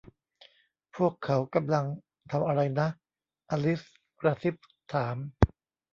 พวกเขากำลังทำอะไรนะ อลิซกระซิบถาม